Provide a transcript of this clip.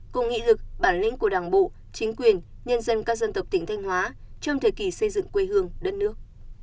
cùng nghị lực bản lĩnh của đảng bộ chính quyền nhân dân các dân tộc tỉnh thanh hóa trong thời kỳ xây dựng quê hương đất nước